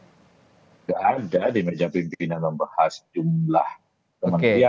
tidak ada di meja pimpinan membahas jumlah kematian